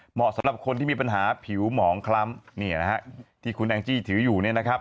เหมาะสำหรับคนที่มีปัญหาผิวหมองคล้ำที่คุณแองจี้ถืออยู่